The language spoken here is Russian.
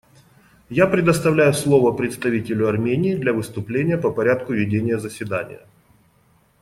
Я предоставляю слово представителю Армении для выступления по порядку ведения заседания.